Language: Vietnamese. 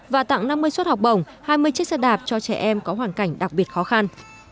và tặng năm mươi suất học bổng hai mươi chiếc xe đạp cho trẻ em có hoàn cảnh đặc biệt khó khăn